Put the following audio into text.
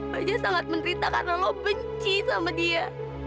raja sangat menderita karena lo benci sama dia